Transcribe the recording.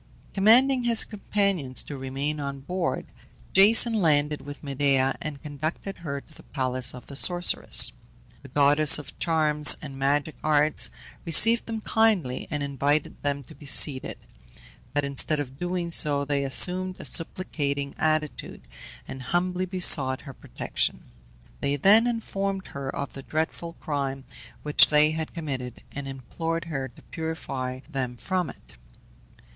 Commanding his companions to remain on board, Jason landed with Medea, and conducted her to the palace of the sorceress. The goddess of charms and magic arts received them kindly, and invited them to be seated; but instead of doing so they assumed a supplicating attitude, and humbly besought her protection. They then informed her of the dreadful crime which they had committed, and implored her to purify them from it.